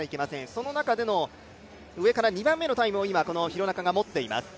その中での上から２番目のタイムを廣中が今、持っています。